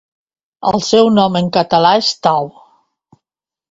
El seu nom en català és Tau.